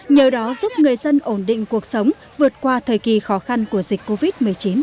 nhờ đó giúp người dân ổn định cuộc sống vượt qua thời kỳ khó khăn của dịch covid một mươi chín